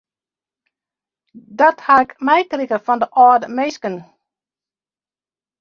Dat ha ik meikrige fan de âlde minsken.